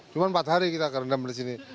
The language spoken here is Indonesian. cuma empat hari kita kerendam di sini